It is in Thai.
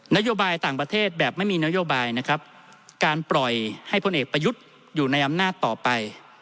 นโยบายต่างประเทศแบบไม่มีนโยบายนะครับการปล่อยให้พลเอกประยุทธ์อยู่ในอำนาจต่อไป